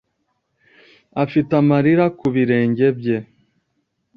afite amarira ku birenge bye.